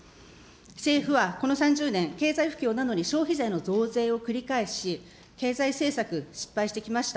政府はこの３０年、経済不況なのに消費税の増税を繰り返し、経済政策失敗してきました。